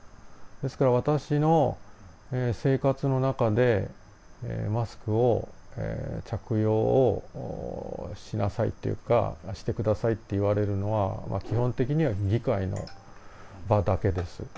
ですから私の生活の中で、マスクを着用をしなさいというか、してくださいって言われるのは、基本的には議会の場だけです。